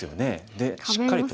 でしっかりと。